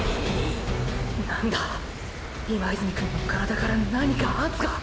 何だ今泉くんの体から何か圧が！！